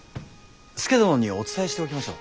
佐殿にお伝えしておきましょう。